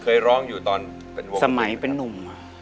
เคยร้องอยู่ตอนเป็นวงสมัยเป็นนุ่ม